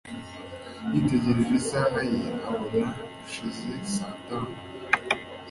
Yitegereje isaha ye abona ko hashize saa tanu